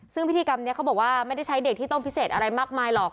ซึ่งพิธีกรรมนี้เขาบอกว่าไม่ได้ใช้เด็กที่ต้องพิเศษอะไรมากมายหรอก